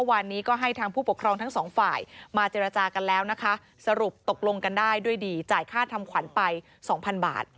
วันนี้ก็ให้ทางผู้ปกครองทั้งสองฝ่ายมาเจรจากันแล้วนะคะสรุปตกลงกันได้ด้วยดีจ่ายค่าทำขวัญไปสองพันบาท